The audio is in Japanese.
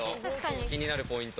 気になるポイント。